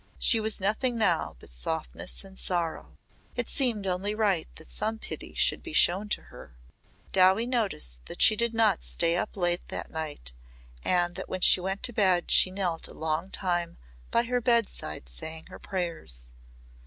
She was nothing now but softness and sorrow. It seemed only right that some pity should be shown to her. Dowie noticed that she did not stay up late that night and that when she went to bed she knelt a long time by her bedside saying her prayers.